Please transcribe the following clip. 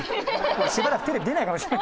しばらくテレビ出ないかもしれない。